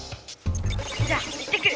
じゃあ行ってくる！